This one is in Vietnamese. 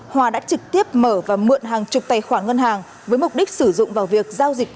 hòa đã trực tiếp mở và mượn hàng chục tài khoản ngân hàng với mục đích sử dụng vào việc giao dịch